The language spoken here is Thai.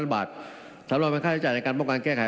๖๙๐๐๖๕๐๐บาทสำหรับมันค่าเครื่องจ่ายในการป้องกันแก้ไข